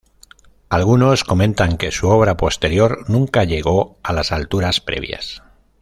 Algunos comentan que su obra posterior nunca llegó a las alturas previas.